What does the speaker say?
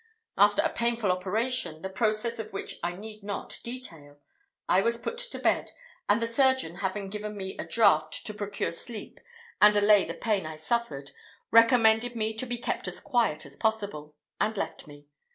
After a painful operation, the process of which I need not detail, I was put to bed, and the surgeon having given me a draught to procure sleep and allay the pain I suffered, recommended me to be kept as quiet as possible, and left me.